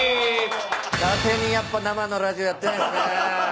だてにやっぱ生のラジオやってないっすね。